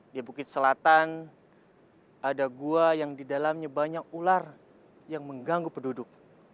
di bukit selatan ada gua yang di dalamnya banyak ular yang mengganggu penduduk